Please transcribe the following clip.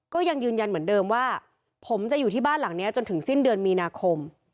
ก็ยังยืนยันเหมือนเดิมว่าผมจะอยู่ที่บ้านหลังนี้จนถึงสิ้นเดือนมีนาคม